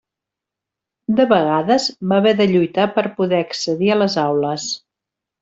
De vegades, va haver de lluitar per poder accedir a les aules.